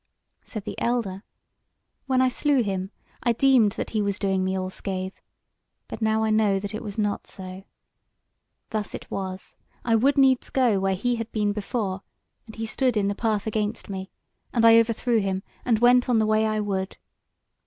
Said the elder: "When I slew him, I deemed that he was doing me all scathe: but now I know that it was not so. Thus it was: I would needs go where he had been before, and he stood in the path against me; and I overthrew him, and went on the way I would."